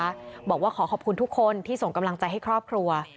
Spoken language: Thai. บอกว่าขอขอบคุณทุกคนที่ส่งกำลังใจให้ครอบครัว